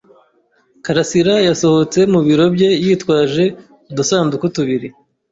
Karasirayasohotse mu biro bye yitwaje udusanduku tubiri.